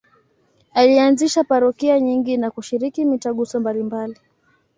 Alianzisha parokia nyingi na kushiriki mitaguso mbalimbali.